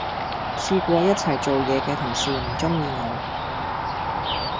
試過一齊做野既同事唔鐘意我